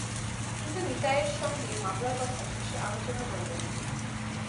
কিন্তু নিতায়ের সঙ্গে মামলার কথা শশী আলোচনা করিল না।